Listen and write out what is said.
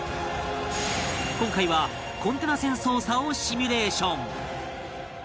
今回はコンテナ船操作をシミュレーション